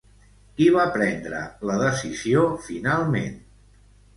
Qui va prendre la decisió finalment?